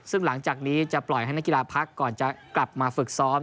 ซึ่งหลังจากนี้จะปล่อยให้นักกีฬาพักก่อนจะกลับมาฝึกซ้อม